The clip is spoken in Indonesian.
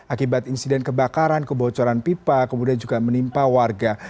akibat insiden kebakaran kebocoran pipa kemudian juga menimpa warga